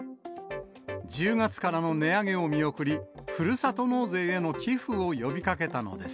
１０月からの値上げを見送り、ふるさと納税への寄付を呼びかけたのです。